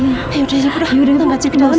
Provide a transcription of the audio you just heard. yaudah ya bu kita baca ke dalam ya